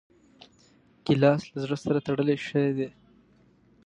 ګیلاس له زړه سره تړلی شی دی.